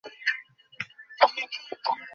ওঠ, লরা।